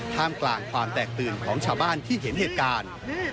ท่ามกลางความแตกตื่นของชาวบ้านที่เห็นเหตุการณ์